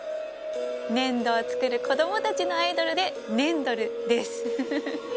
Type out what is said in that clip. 「粘土を作る子供たちのアイドル」で「ねんドル」ですフフフ。